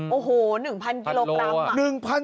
โอ้โห๑๐๐กิโลกรัม